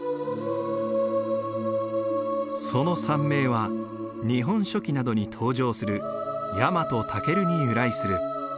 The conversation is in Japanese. その山名は「日本書紀」などに登場するヤマトタケルに由来する。